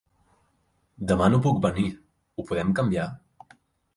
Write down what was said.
Demà no puc venir! Ho podem canviar?